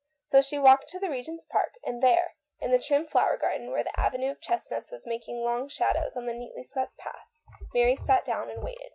So she walked to the Regent's Park, and there, in the trim flower garden, where the avenue of chestnuts was making long shadows on the neatly swept paths, Mary sat down and waited.